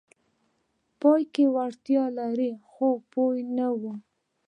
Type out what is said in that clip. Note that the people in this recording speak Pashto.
پای کې وړتیا لري خو پوه نه وي: